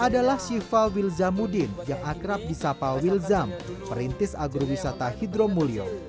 adalah siva wilzamudin yang akrab di sapa wilzam perintis agrowisata hidro mulyo